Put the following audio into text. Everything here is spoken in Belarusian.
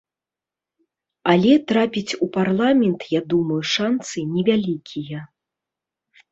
Але трапіць у парламент, я думаю, шанцы невялікія.